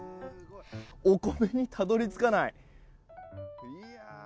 お米にたどり着かない。